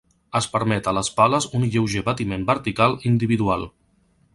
Es permet a les pales un lleuger batiment vertical individual.